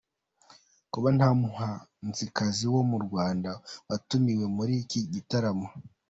Kuba nta muhanzikazi wo mu Rwanda watumiwe muri iki gitaramo